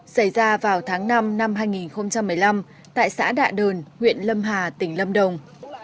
xảy ra vào tháng năm năm hai nghìn một mươi năm tại xã đạ đờn huyện lâm hà tỉnh lâm đồng